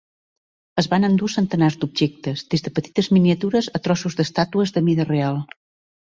Es van endur centenars d'objectes, des de petites miniatures a trossos d'estàtues de mida real.